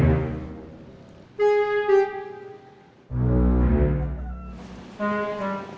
dia udah bicara